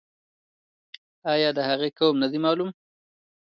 آیا د هغې قوم نه دی معلوم؟